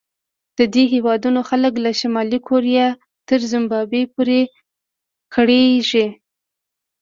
د دې هېوادونو خلک له شمالي کوریا تر زیمبابوې پورې کړېږي.